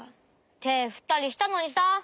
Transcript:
てふったりしたのにさ！